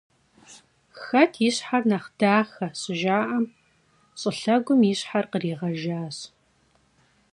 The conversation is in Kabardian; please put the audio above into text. «Xet yi şher nexh daxe?» şıjja'em, şşılhegum yi şher khriğejjaş.